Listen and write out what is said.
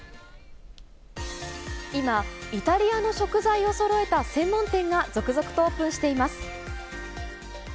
今、イタリアの食材をそろえた専門店が続々とオープンしています。